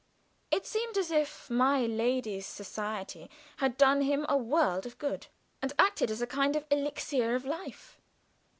It seemed as if my lady's society had done him a world of good, and acted as a kind of elixir of life.